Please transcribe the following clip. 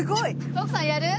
徳さんやる？